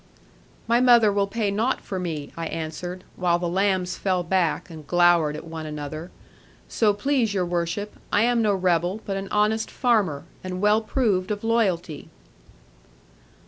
'My mother will pay naught for me,' I answered; while the lambs fell back, and glowered at one another: 'so please your worship, I am no rebel; but an honest farmer, and well proved of loyalty.'